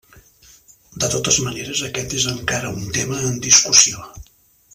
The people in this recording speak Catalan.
De totes maneres, aquest és encara un tema en discussió.